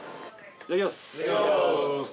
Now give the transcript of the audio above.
いただきます